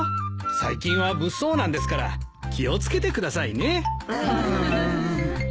最近は物騒なんですから気を付けてくださいね。